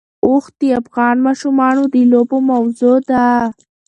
اوښ د افغان ماشومانو د لوبو موضوع ده.